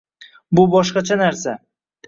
Bu boshqacha narsa